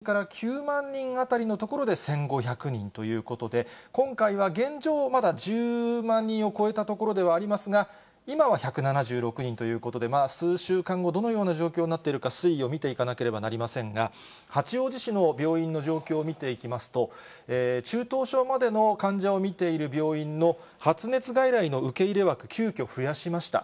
１５００人ほど、全国の重症者の方がいらしたということですけれども、このときに全国の感染者は、大体７万人から９万人あたりのところで１５００人ということで、今回は現状、まだ１０万人を超えたところではありますが、今は１７６人ということで、数週間後、どのような状況になっているか、推移を見ていかなければなりませんが、八王子市の病院の状況を見ていきますと、中等症までの患者を診ている病院の発熱外来の受け入れ枠、急きょ増やしました。